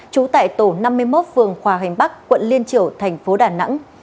trú tại tổ năm mươi một phường hòa hành bắc quận liên triểu thành phố đà nẵng